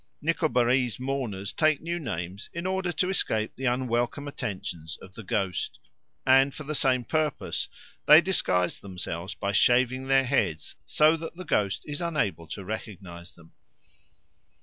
Nicobarese mourners take new names in order to escape the unwelcome attentions of the ghost; and for the same purpose they disguise themselves by shaving their heads so that the ghost is unable to recognise them.